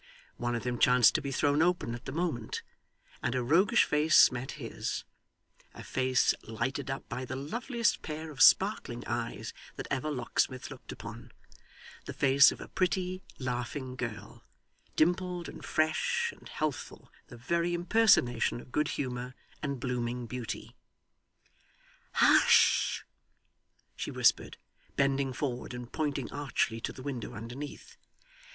One of them chanced to be thrown open at the moment, and a roguish face met his; a face lighted up by the loveliest pair of sparkling eyes that ever locksmith looked upon; the face of a pretty, laughing, girl; dimpled and fresh, and healthful the very impersonation of good humour and blooming beauty. 'Hush!' she whispered, bending forward and pointing archly to the window underneath.